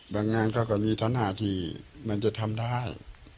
บางงานก็ก็มีทันหาที่มันจะทำได้